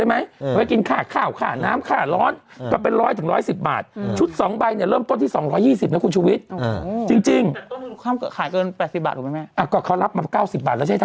อืมอืมอืมอืมอืมอืมอืมอืมอืมอืมอืมอืมอืมอืมอืมอืมอืมอืม